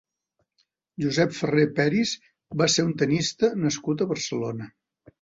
Josep Ferrer Peris va ser un tenista nascut a Barcelona.